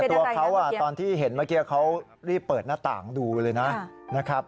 ตัวเขาตอนที่เห็นเมื่อกี้เขารีบเปิดหน้าต่างดูเลยนะครับ